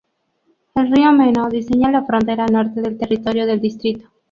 El Río Meno diseña la frontera norte del territorio del distrito.